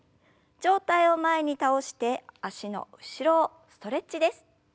上体を前に倒して脚の後ろをストレッチです。